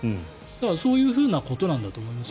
そういうふうなことなんだと思います。